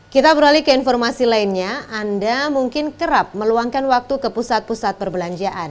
kita beralih ke informasi lainnya anda mungkin kerap meluangkan waktu ke pusat pusat perbelanjaan